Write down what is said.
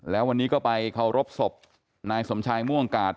แล้ววันนี้ก็ไปเคารพศพนายสมชายม่วงกาศ